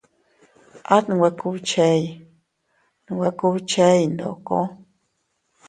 At nwe kubchey nwe kubchey ndoko.